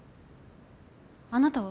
あなたは？